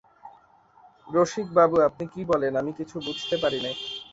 রসিকবাবু, আপনি কী বলেন আমি কিছু বুঝতে পারি নে।